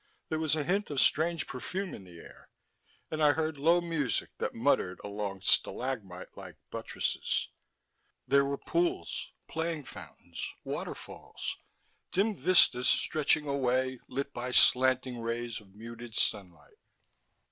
There was a hint of strange perfume in the air, and I heard low music that muttered among stalagmite like buttresses. There were pools, playing fountains, waterfalls, dim vistas stretching away, lit by slanting rays of muted sunlight.